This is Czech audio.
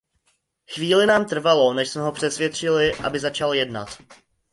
Chvíli nám trvalo, než jsme ho přesvědčili, aby začal jednat.